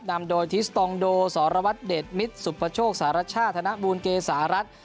นำโดยทิสตองโดสรวรรดิเดชมิตรสุพชกสหรัชชาติธนบุญเกสหรัฐ